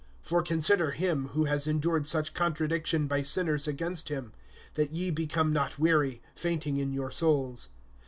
(3)For consider him who has endured such contradiction by sinners against him, that ye become not weary, fainting in your souls.